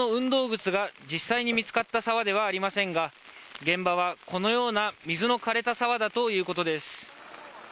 靴が、実際に見つかった沢ではありませんが、現場は、このような水のかれた沢だということです。